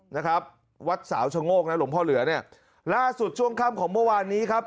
นะครับวัดสาวชะโงกนะหลวงพ่อเหลือเนี่ยล่าสุดช่วงค่ำของเมื่อวานนี้ครับ